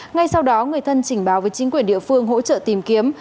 ngay sau đó người thân trình báo với chính quyền địa phương hỗ trợ tìm kiếm